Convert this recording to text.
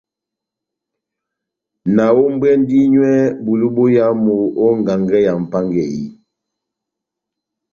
Nahombwɛndi nywɛ bulu boyamu ó ngangɛ ya Mʼpángeyi.